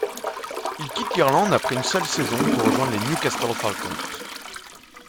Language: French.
Il quitte l'Irlande après une seule saison pour rejoindre les Newcastle Falcons.